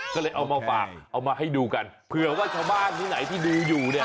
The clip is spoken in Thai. ก็เลยเอามาฝากเอามาให้ดูกันเผื่อว่าชาวบ้านที่ไหนที่ดูอยู่เนี่ย